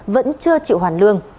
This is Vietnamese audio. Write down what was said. vẫn chưa chịu hoàn lương